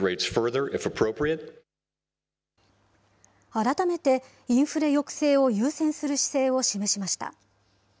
改めて、インフレ抑制を優先する姿勢を示しました。